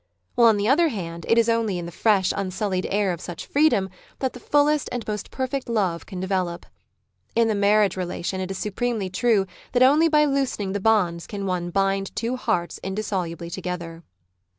while, on the other hand, it is only in the fresh unsullied air of such freedom that the fullest and most perfect love can develop. In the marriage rela tion it is supremely true that only by loosening the bonds can one bind two hearts indissolubly together.